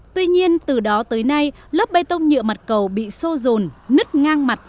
tuy nhiên từ đó tới nay lớp bê tông nhựa mặt cầu bị sô rồn nứt ngang mặt